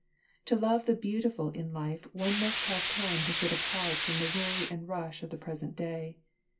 To love the beautiful in life one must have time to sit apart from the worry and the rush of the present day.